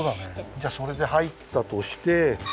じゃあそれではいったとして。